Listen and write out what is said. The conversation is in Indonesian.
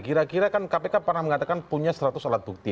kira kira kan kpk pernah mengatakan punya seratus alat bukti